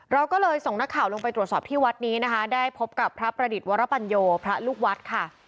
เราก็เลยส่งนักข่าวลงไปตรวจสอบที่วัดนี้นะคะได้พบกับพระประดิษฐ์วรปัญโยพระลูกวัดค่ะ